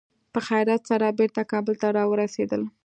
په خیریت سره بېرته کابل ته را ورسېدل.